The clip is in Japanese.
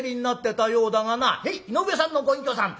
「へいいのうえさんのご隠居さん